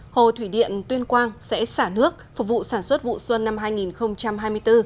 hồ thủy điện tuyên quang sẽ xả nước phục vụ sản xuất vụ xuân năm hai nghìn hai mươi bốn